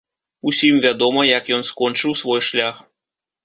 Усім вядома, як ён скончыў свой шлях.